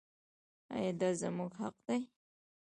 آیا دا زموږ حق دی؟